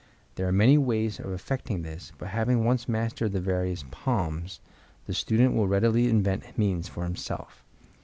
There are many ways of effecting this, but having once mastered the various "palms" the student will readily invent means for himself.